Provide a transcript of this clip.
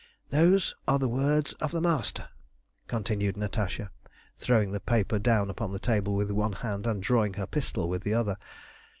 "Those are the words of the Master," continued Natasha, throwing the paper down upon the table with one hand, and drawing her pistol with the other.